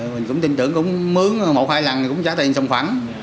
mình cũng tin tưởng cũng mướn một hai lần thì cũng trả tiền xong khoảng